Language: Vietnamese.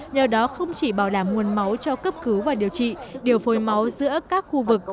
nhờ đó không chỉ bảo đảm nguồn máu